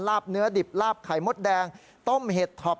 บเนื้อดิบลาบไข่มดแดงต้มเห็ดท็อป